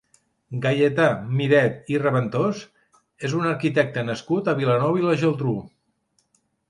Gaietà Miret i Raventós és un arquitecte nascut a Vilanova i la Geltrú.